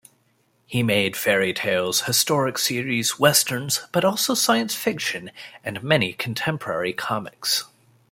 He made fairytales, historic series, westerns, but also science fiction and many contemporary comics.